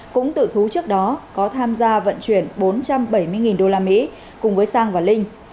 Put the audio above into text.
cũng tự thú trước đó có tham gia vận chuyển bốn trăm bảy mươi usd cùng với sang và linh